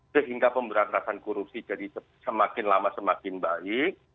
sehingga pemberantasan korupsi jadi semakin lama semakin baik